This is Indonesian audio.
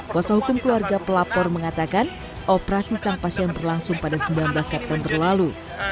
kuasa hukum keluarga pelapor mengatakan operasi sang pasien berlangsung pada sembilan belas september lalu